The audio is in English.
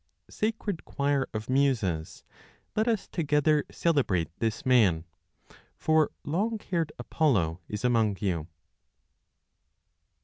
Sacred choir of Muses, let us together celebrate this man, For long haired Apollo is among you!